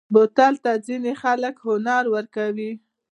بوتل ته ځینې خلک هنر ورکوي.